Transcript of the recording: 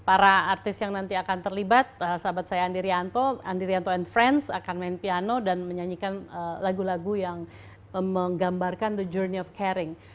para artis yang nanti akan terlibat sahabat saya andi rianto andi rianto and friends akan main piano dan menyanyikan lagu lagu yang menggambarkan the journey of caring